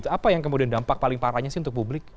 apa yang kemudian dampak paling parahnya sih untuk publik